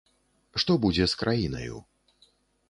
Што будзе з краінаю.